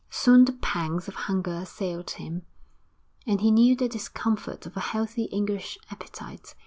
Soon the pangs of hunger assailed him, and he knew the discomfort of a healthy English appetite.